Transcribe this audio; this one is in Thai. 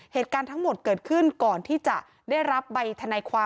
เหตุการณ์ทั้งหมดเกิดขึ้นก่อนที่จะได้รับใบทนายความ